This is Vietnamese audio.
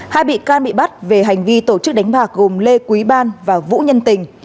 hai bị can bị bắt về hành vi tổ chức đánh bạc gồm lê quý ban và vũ nhân tình